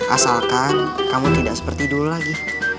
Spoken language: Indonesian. asalkan kamu tidak seperti dulu lagi